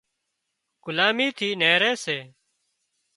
غلامي ٿِي نيهري سي